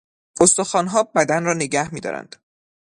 استخوانها بدن را نگه میدارند.